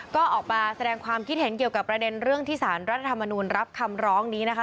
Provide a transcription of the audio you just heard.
ก็ออกมาแสดงความคิดเห็นเกี่ยวกับประเด็นเรื่องที่สารรัฐธรรมนูลรับคำร้องนี้นะคะ